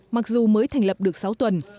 mặc dù mới thành lập được sáu lãnh đạo